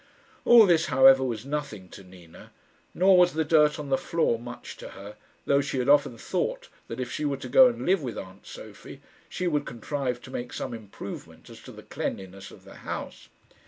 All this, however, was nothing to Nina, nor was the dirt on the floor much to her, though she had often thought that if she were to go and live with aunt Sophie, she would contrive to make some improvement as to the cleanliness of the house.